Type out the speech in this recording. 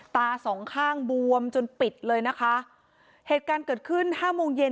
ตาสองข้างบวมจนปิดเลยนะคะเหตุการณ์เกิดขึ้นห้าโมงเย็น